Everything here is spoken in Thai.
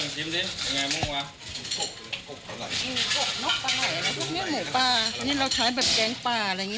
นี่เราใช้แบบแกงปลาอะไรอย่างนี้